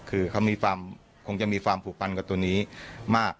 คือเขาคงจะมีความผูกพันกับตัวนี้มาก